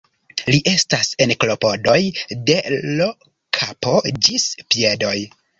Li estas en klopodoj de l' kapo ĝis piedoj.